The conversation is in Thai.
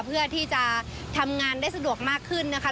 เพื่อที่จะทำงานได้สะดวกมากขึ้นนะคะ